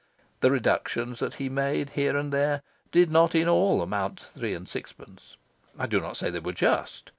The reductions that he made, here and there, did not in all amount to three and sixpence. I do not say they were just.